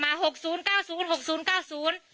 เขาตะโกนออกมาหกศูนย์เก้าศูนย์หกศูนย์เก้าศูนย์